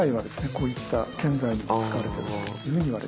こういった建材に使われてるというふうにいわれてます。